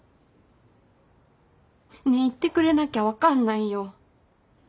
ねえ言ってくれなきゃ分かんないよ。